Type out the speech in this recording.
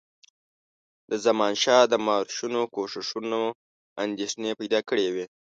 د زمانشاه د مارشونو کوښښونو اندېښنې پیدا کړي وې.